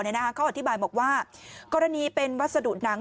เขาอธิบายบอกว่ากรณีเป็นวัสดุหนัง